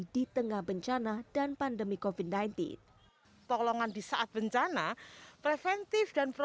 di tengah bencana dan pandemi covid sembilan belas